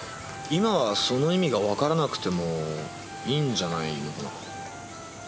今はその意味がわからなくてもいいんじゃないのかな。